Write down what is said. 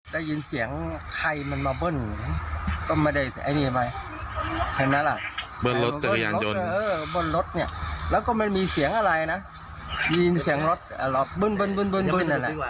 ได้ยินเสียงไขมันมาเบิ้ลก็มาได้ไอ้นี่ไหมเห็นมั้ยล่ะเบิ้ลรถเตรียรยานยนต์เบิ้ลรถเนี่ยแล้วก็มันมีเสียงอะไรนะยินเสียงรถอ่ะล่ะเบิ้ลเบิ้ลเบิ้ลเบิ้ลเบิ้ล